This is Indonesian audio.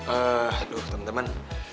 eh aduh temen temen